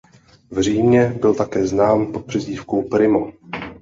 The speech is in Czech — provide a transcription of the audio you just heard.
V Římě byl také znám pod přezdívkou "Primo".